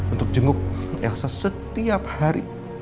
untuk jenguk yang setiap hari